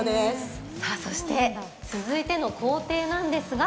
そして続いての工程なんですが、